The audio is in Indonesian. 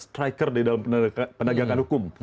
striker di dalam penegakan hukum